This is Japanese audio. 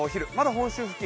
本州付近